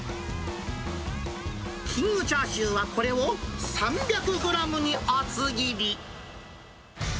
キングチャーシューは、これを３００グラムに厚切り。